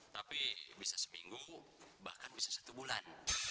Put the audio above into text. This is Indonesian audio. tapi bisa seminggu bahkan bisa satu bulan